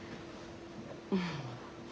うん。